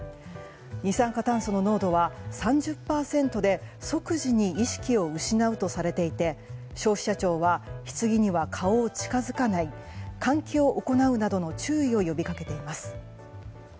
二酸化炭素の濃度は３０％で即時に意識を失うとされていて消費者庁はひつぎには顔を近づけない換気を行うなどの注意を呼び掛けています。